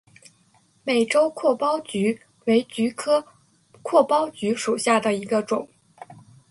美洲阔苞菊为菊科阔苞菊属下的一个种。